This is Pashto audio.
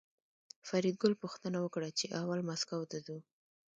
فریدګل پوښتنه وکړه چې اول مسکو ته ځو